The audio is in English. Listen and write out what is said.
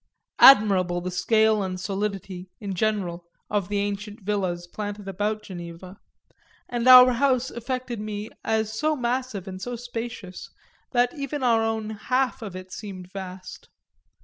Admirable the scale and solidity, in general, of the ancient villas planted about Geneva, and our house affected me as so massive and so spacious that even our own half of it seemed vast.